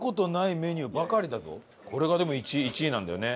これがでも１位なんだよね。